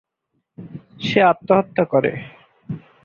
সে আত্মহত্যা করে।